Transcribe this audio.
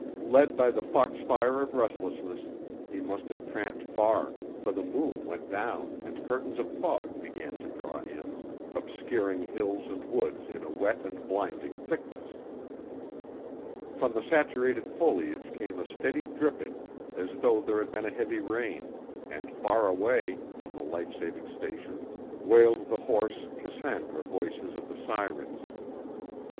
Led by the fox fire of restlessness, he must have tramped far, for the moon went down and curtains of fog began to draw in, obscuring hills and woods in a wet and blinding thickness. From the saturated foliage came a steady dripping as though there had been heavy rain, and far away, from the life saving station, wailed the hoarse, Cassandra voices of the sirens.